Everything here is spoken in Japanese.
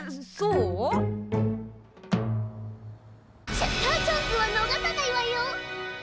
シャッターチャンスはのがさないわよ！